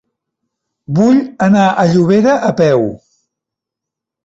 Vull anar a Llobera a peu.